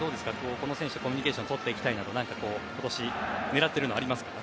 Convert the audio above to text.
この選手とコミュニケーションとっていきたいなと狙っているのはありますか？